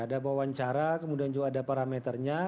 ada wawancara kemudian juga ada parameternya